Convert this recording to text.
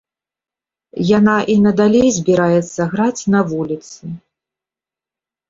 Яна і надалей збіраецца граць на вуліцы.